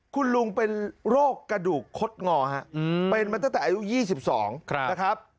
คุณลุงเป็นโรคกระดูกคดงอเป็นมาตั้งแต่อายุ๒๒นะครับ